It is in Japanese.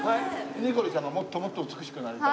ニコルちゃんがもっともっと美しくなりたい。